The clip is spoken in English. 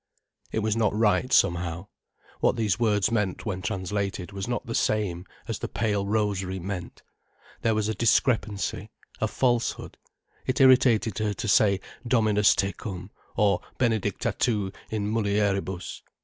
It was not right, somehow. What these words meant when translated was not the same as the pale rosary meant. There was a discrepancy, a falsehood. It irritated her to say, "Dominus tecum," or, "benedicta tu in mulieribus."